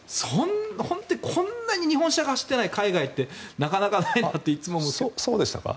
本当にこんな日本車が走っていない海外ってなかなかないなっていつも思って。